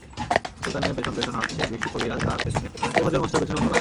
সুলতানের পেছনে পেছনে হাঁটছে বিশু কবিরাজ, তার পেছনে তোফাজ্জল মাস্টার, পেছনে অন্যরা।